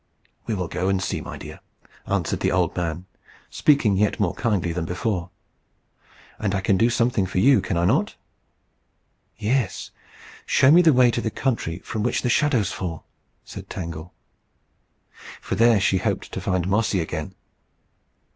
"We will go and see, my dear," answered the old man, speaking yet more kindly than before. "And I can do something for you, can I not?" "Yes show me the way up to the country from which the shadows fall," said Tangle. For there she hoped to find Mossy again.